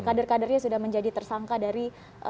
kader kadernya sudah menjadi tersangka dari